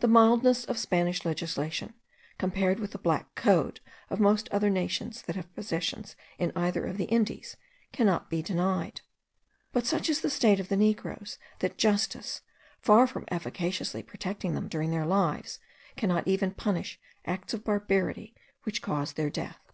The mildness of Spanish legislation, compared with the Black Code of most other nations that have possessions in either of the Indies, cannot be denied. But such is the state of the negroes, that justice, far from efficaciously protecting them during their lives, cannot even punish acts of barbarity which cause their death.